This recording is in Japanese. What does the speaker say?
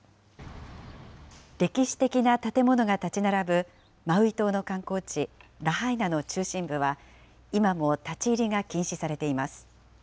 歴史的な建物が建ち並ぶマウイ島の観光地、ラハイナの中心部は、今も立ち入りが禁止されています。